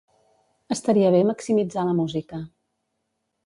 Estaria bé maximitzar la música.